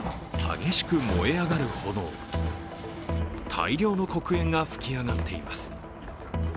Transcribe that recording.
大量の黒煙が噴き上がっています。